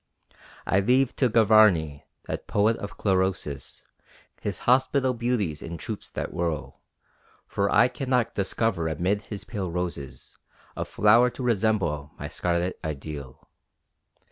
I leave to Gavarni, that poet of chlorosis, His hospital beauties in troups that whirl, For I cannot discover amid his pale roses A flower to resemble my scarlet ideal.